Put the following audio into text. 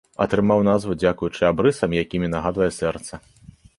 Атрымаў назву дзякуючы абрысам, якімі нагадвае сэрца.